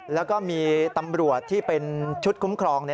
แล้วก็มีตำรวจที่เป็นชุดคุ้มครอง